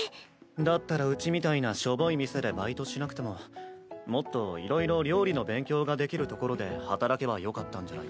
だったらうちみたいなしょぼい店でバイトしなくてももっといろいろ料理の勉強ができる所で働けばよかったんじゃないか？